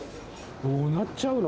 どうなっちゃうの？